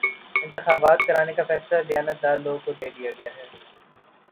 انتخابات کرانے کا فریضہ دیانتدار لوگوں کو دیا گیا ہے